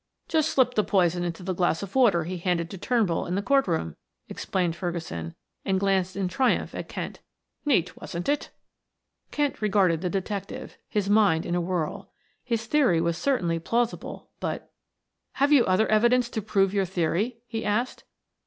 "Just slipped the poison into the glass of water he handed to Turnbull in the court room," explained Ferguson, and glanced in triumph at Kent. "Neat, wasn't it?" Kent regarded the detective, his mind in a whirl. His theory was certainly plausible, but "Have you other evidence to prove, your theory?" he asked.